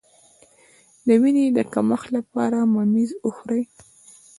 د وینې د کمښت لپاره ممیز وخورئ